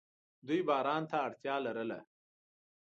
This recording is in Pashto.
دوی باران ته اړتیا لرله.